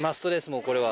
もうこれは。